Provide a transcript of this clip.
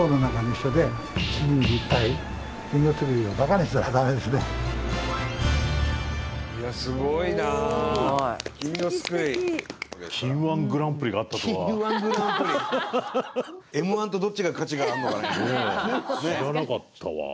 知らなかったわ。